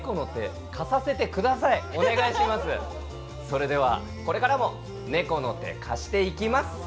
それではこれからも猫の手貸していきます！